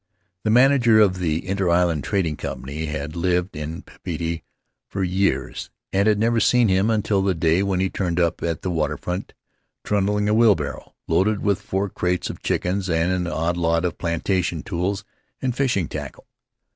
The manager of the Inter Island Trading Company had lived in Papeete for years and had never seen him until the day when he turned up at the water front trundling a wheel barrow loaded with four crates of chickens and an odd lot of plantation tools and fishing tackle.